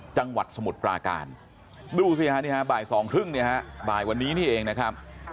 จังหวัดสมุทรปราการดูสิฮะบ่ายสองครึ่งบ่ายวันนี้นี่เองนะครับ